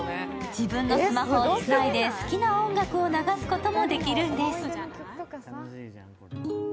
自分のスマホをつないで好きな音楽を流すこともできるんです。